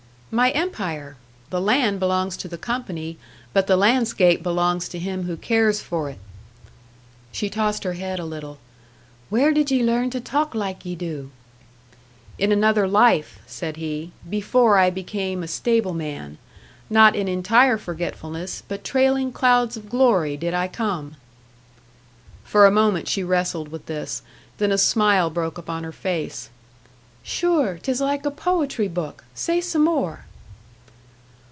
"My empire. The land belongs to the company, but the landscape belongs to him who cares for it." She tossed her head a little. "Where did ye learn to talk like ye do?" "In another life," said he "before I became a stableman. Not in entire forgetfulness, but trailing clouds of glory did I come." For a moment she wrestled with this. Then a smile broke upon her face. "Sure, 'tis like a poetry book! Say some more!"